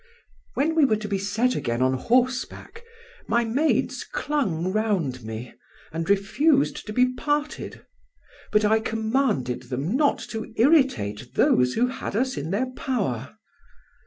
"When we were to be set again on horseback, my maids clung round me, and refused to be parted; but I commanded them not to irritate those who had us in their power.